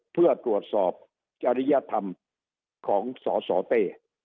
เพื่อตรวจสอบจริยธรรมของสสเต้